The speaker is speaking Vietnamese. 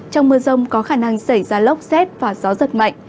trong mưa rông có khả năng xảy ra lốc xét và gió giật mạnh